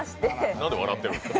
なんで笑ってるんですか？